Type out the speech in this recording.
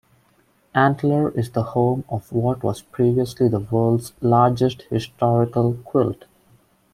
Antler is the home of what was previously the world's largest historical quilt.